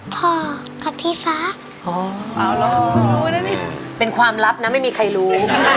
พ่อกับพี่ฟ้าอ๋อเป็นความลับนะไม่มีใครรู้